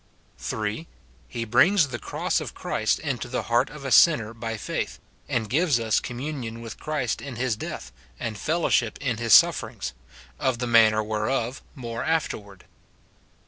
[3.] He brings the cross of Christ into the heart of a sinner by faith, and gives us communion with Christ in his death, and fellowship in his suff"erings : of the man ner whereof more afterward.